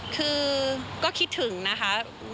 คือก็คิดถึงนะคะ